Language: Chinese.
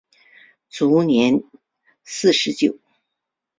卒年四十九。